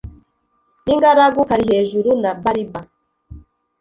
n’ingaragu kalihejuru na bariba.